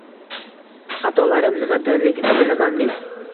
Xatolarim nimadaligini bilaman men.